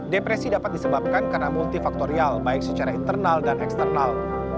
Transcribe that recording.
depresi dapat disebabkan karena multifaktorial baik secara internal dan eksternal